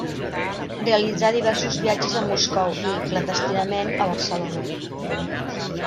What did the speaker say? Realitzà diversos viatges a Moscou i, clandestinament, a Barcelona.